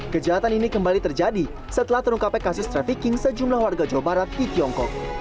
kejahatan ini kembali terjadi setelah terungkapnya kasus trafficking sejumlah warga jawa barat di tiongkok